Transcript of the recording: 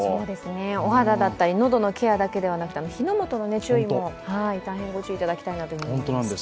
お肌だったり喉のケアだけでなくて、火の元の注意も大変ご注意いただきたいです。